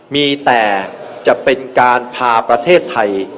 มีแต่จะเป็นการพาประเทศไทย